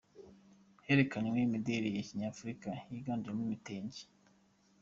Herekanywe imideli ya Kinyafurika yiganjemo ibitenge.